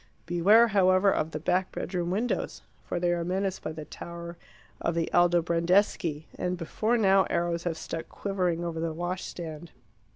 Beware, however, of the back bedroom windows. For they are menaced by the tower of the Aldobrandeschi, and before now arrows have stuck quivering over the washstand.